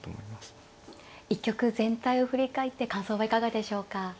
一局全体を振り返って感想はいかがでしょうか。